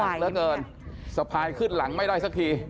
เหลือเกินสะพายขึ้นหลังไม่ได้สักที